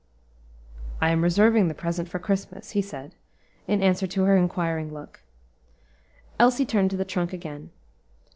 "I am reserving the present for Christmas," he said, in answer to her inquiring look. Elsie turned to the trunk again.